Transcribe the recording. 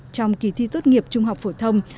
trong kỳ thi tốt nghiệp trung học phổ thông